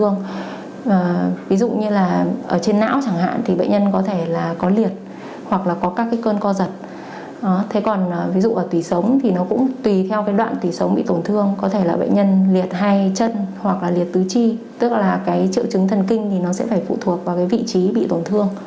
nguyên nhân liệt hai chân hoặc liệt tứ chi tức là triệu chứng thần kinh sẽ phải phụ thuộc vào vị trí bị tổn thương